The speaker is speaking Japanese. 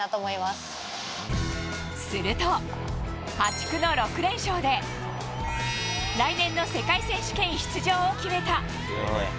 すると、破竹の６連勝で、来年の世界選手権出場を決めた。